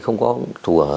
không có thù ở